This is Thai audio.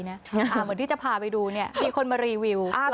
เหมือนที่จะพาไปดูมีคนมารีวิว